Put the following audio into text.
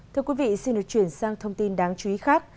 thưa quý vị xin được chuyển sang thông tin đáng chú ý khác